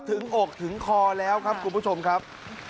ถึงอกถึงคอแล้วครับคุณผู้ชมครับ